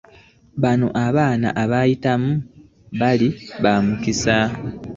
Bano abaana abaayitamu baali ba mukisa.